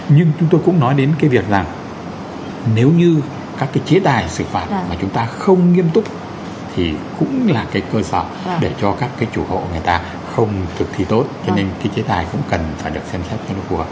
nhưng chúng tôi cũng nói đến cái việc rằng nếu như các cái chế tài xử phạt mà chúng ta không nghiêm túc thì cũng là cái cơ sở để cho các cái chủ hộ người ta không thực thi tốt cho nên cái chế tài cũng cần phải được xem xét cho nó phù hợp